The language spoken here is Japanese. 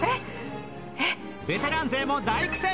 ベテラン勢も大苦戦！